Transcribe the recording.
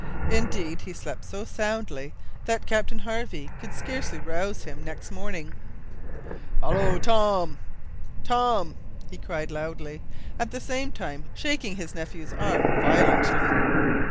Indeed, he slept so soundly that Captain Harvey could scarcely rouse him next morning. "Hallo! Tom! Tom!" cried he loudly, at the same time shaking his nephew's arm violently.